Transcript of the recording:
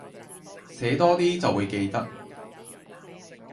寫多啲就會記得